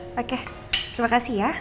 oke terima kasih ya